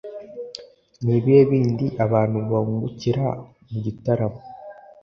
ni ibihe bindi abantu bungukira mu gitaramo?